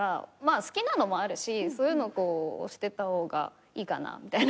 好きなのもあるしそういうの押してった方がいいかなみたいな。